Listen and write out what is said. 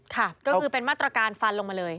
ค่ะก็คือเป็นมาตรการฟันลงมาเลย